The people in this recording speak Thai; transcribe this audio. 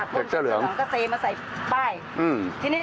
ผักเลยใช่ไหมครับผักก้นอ่าผักก้นแล้วทางนี้ก็